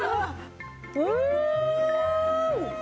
うん！